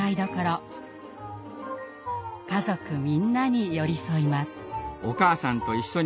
家族みんなに寄り添います。